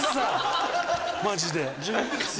マジで。